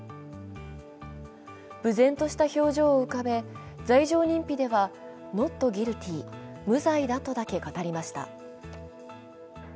ぶ然とした表情を浮かべ、罪状認否手はノットギルティ＝無罪だとだけ語りました。